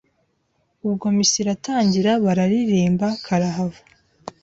Ubwo misa iratangira bararirimba karahava